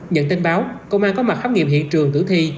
nhận tin báo công an có mặt khám nghiệm hiện trường tử thi